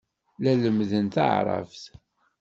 La lemmden taɛṛabt.